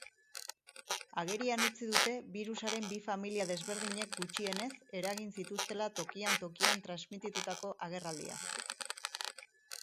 Agerian utzi dute birusaren bi familia desberdinek gutxienez eragin zituztela tokian-tokian transmititutako agerraldiak.